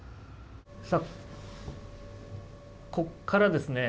さあここからですね